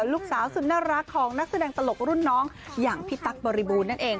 ลูกสาวสุดน่ารักของนักแสดงตลกรุ่นน้องอย่างพี่ตั๊กบริบูรณนั่นเอง